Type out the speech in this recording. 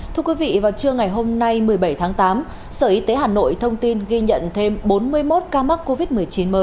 thưa quý vị vào trưa ngày hôm nay một mươi bảy tháng tám sở y tế hà nội thông tin ghi nhận thêm bốn mươi một ca mắc covid một mươi chín mới